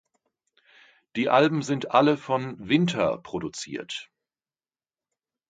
Die Alben sind alle von Winther produziert.